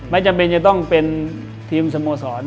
จำเป็นจะต้องเป็นทีมสโมสร